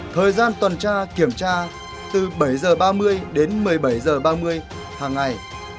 thời gian tuần tra kiểm tra từ bảy h ba mươi đến một mươi bảy h ba mươi hàng ngày